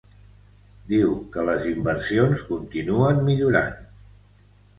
Diu que les inversions continuen millorant.